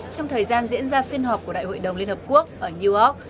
trong thời gian diễn ra phiên họp của đại hội đồng liên hợp quốc ở new york